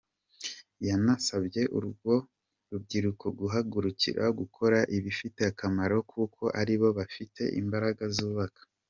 Yanasabye urwo rubyiruko guhagurukira gukora ibifite akamaro kuko aribo bafite imbaraga zubaka.